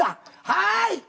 はい！